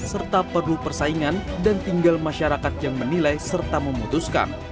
serta perlu persaingan dan tinggal masyarakat yang menilai serta memutuskan